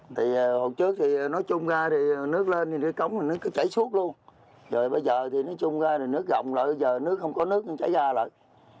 thì hồi trước thì nói chung ra thì nước lên thì cái cống nó chảy suốt luôn rồi bây giờ thì nói chung ra thì nước rộng rồi bây giờ nước không có nước nó chảy ra rồi